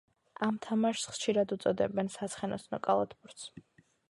ამ თამაშს ხშირად უწოდებენ საცხენოსნო კალათბურთს.